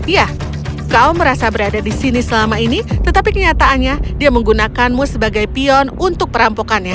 ya kau merasa berada di sini selama ini tetapi kenyataannya dia menggunakanmu sebagai pion untuk perampokannya